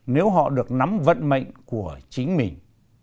nếu họ được nắm vận mệnh của chính mình